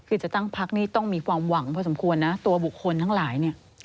คือจะตั้งพักนี่ต้องมีความหวังพอสมควรนะตัวบุคคลทั้งหลายเนี่ย